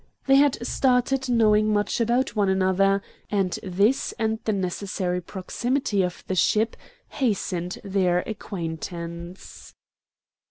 They had started knowing much about one another, and this and the necessary proximity of the ship hastened their acquaintance.